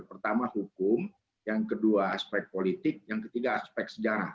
pertama hukum yang kedua aspek politik yang ketiga aspek sejarah